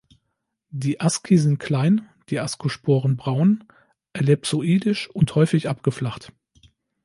Die Asci sind klein, die Ascosporen braun, ellipsoidisch und häufig abgeflacht.